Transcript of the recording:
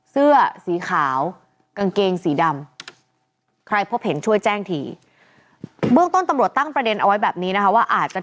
เสื้อสีขาวกางเกงสีดำ